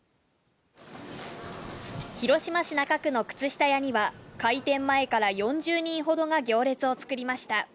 広島市中区の靴下屋には、開店前から４０人ほどが行列を作りました。